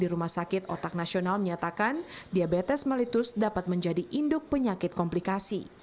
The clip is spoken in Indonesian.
di rumah sakit otak nasional menyatakan diabetes mellitus dapat menjadi induk penyakit komplikasi